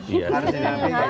iya harus di dampingin